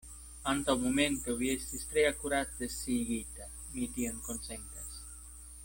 Antaŭ momento vi estis tre akurate sciigita; mi tion konsentas.